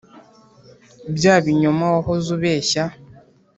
bya binyoma wahoze ubeshya